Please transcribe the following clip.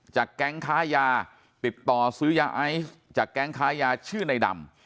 แก๊งค้ายาติดต่อซื้อยาไอซ์จากแก๊งค้ายาชื่อในดำ